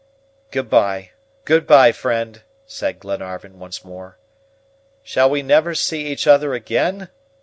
"Good by, good by, friend!" said Glenarvan, once more. "Shall we never see each other again?"